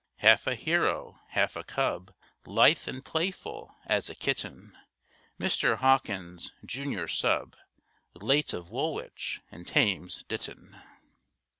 Half a hero, half a cub, Lithe and playful as a kitten, Mr. Hawkins, Junior Sub., Late of Woolwich and Thames Ditton.